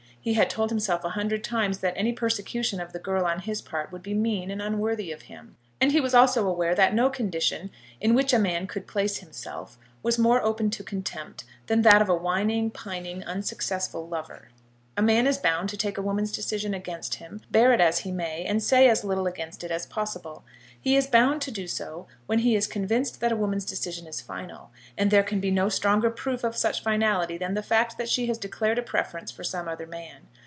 He had told himself a hundred times that any persecution of the girl on his part would be mean and unworthy of him. And he was also aware that no condition in which a man could place himself was more open to contempt than that of a whining, pining, unsuccessful lover. A man is bound to take a woman's decision against him, bear it as he may, and say as little against it as possible. He is bound to do so when he is convinced that a woman's decision is final; and there can be no stronger proof of such finality than the fact that she has declared a preference for some other man.